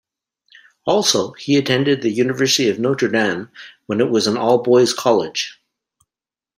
Also, he attended The University of Notre Dame, when it was an all-boys college.